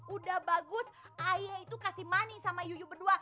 udah bagus ayah itu kasih money sama yuyu berdua